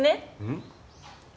うん？